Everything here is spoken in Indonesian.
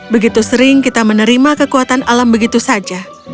begitu sering kita menerima kekuatan alam begitu saja